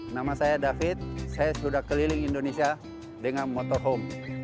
nama saya david saya sudah keliling indonesia dengan motorhome